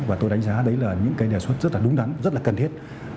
và tôi đánh giá đấy là những cái đề xuất rất là đúng đắn rất là cần thiết